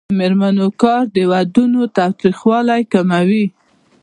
د میرمنو کار د ودونو تاوتریخوالی کموي.